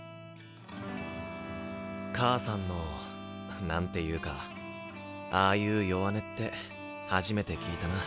母さんの何て言うかああいう弱音って初めて聞いたな。